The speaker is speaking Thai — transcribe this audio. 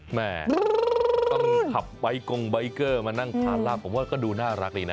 แม่ต้องขับใบกงใบเกอร์มานั่งทานลาบผมว่าก็ดูน่ารักดีนะ